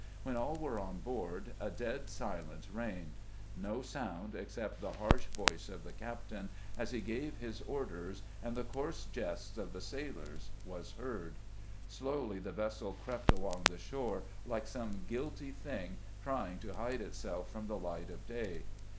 When all were on board, a dead silence reigned. No sound, except the harsh voice of the captain, as he gave his orders, and the coarse jests of the sailors, was heard. Slowly the vessel crept along the shore, like some guilty thing, trying to hide itself from the light of day.